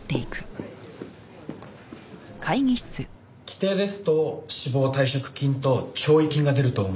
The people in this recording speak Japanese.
規定ですと死亡退職金と弔慰金が出ると思います。